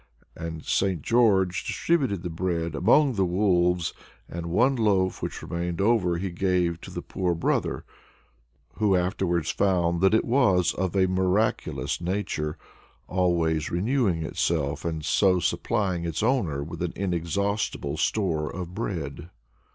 And St. George distributed the bread among the wolves, and one loaf which remained over he gave to the poor brother; who afterwards found that it was of a miraculous nature, always renewing itself and so supplying its owner with an inexhaustible store of bread.